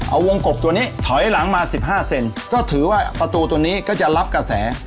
เอาวงกบตัวนี้ถอยหลังมา๑๕เซนก็ถือว่าประตูตัวนี้ก็จะรับกระแส